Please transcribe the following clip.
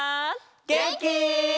げんき？